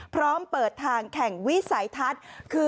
พร้อมเปิดทางแข่งวิสัยทัศน์คือ